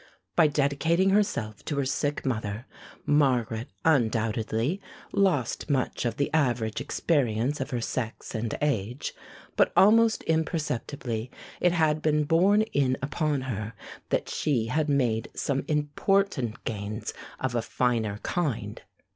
By dedicating herself to her sick mother, Margaret undoubtedly lost much of the average experience of her sex and age, but almost imperceptibly it had been borne in upon her that she made some important gains of a finer kind.